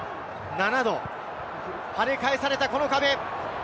７度跳ね返された、この壁。